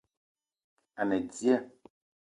A ne dia